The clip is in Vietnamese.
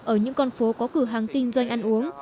ở những con phố có cử hàng tinh doanh ăn uống